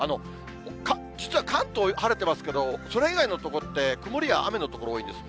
実は関東は晴れてますけど、それ以外の所って、曇りや雨の所が多いんです。